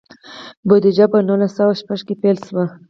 بودیجه په نولس سوه شپږ کې پیل شوه.